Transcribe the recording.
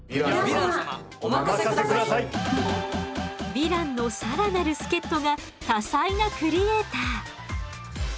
ヴィランの更なる助っとが多才なクリエーター。